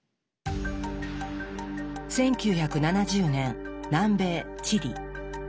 １９７０年南米チリ。